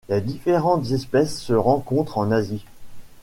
Les différentes espèces se rencontrent en Asie.